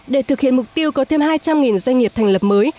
để thực hiện mục tiêu có thêm hai trăm linh doanh nghiệp thành lập mới